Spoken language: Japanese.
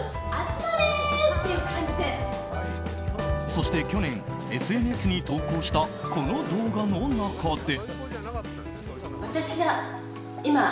そして去年、ＳＮＳに投稿したこの動画の中で。